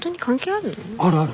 あるある。